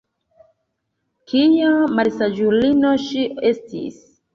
kia malsaĝulino ŝi estis!